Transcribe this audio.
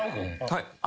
はい。